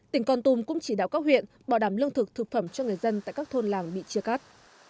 tỉnh con tum cũng chỉ đạo các huyện bảo đảm lương thực thực phẩm cho người dân tại các thôn làng bị chia cắt